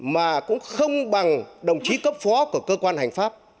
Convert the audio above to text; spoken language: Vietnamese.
mà cũng không bằng đồng chí cấp phó của cơ quan hành pháp